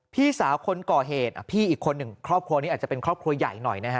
พี่สาวคนก่อเหตุพี่อีกคนหนึ่งครอบครัวนี้อาจจะเป็นครอบครัวใหญ่หน่อยนะฮะ